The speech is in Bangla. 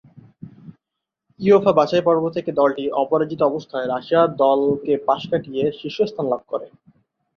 উয়েফা বাছাইপর্ব থেকে দলটি অপরাজিত অবস্থায় রাশিয়া দলকে পাশ কাটিয়ে শীর্ষস্থান লাভ করে।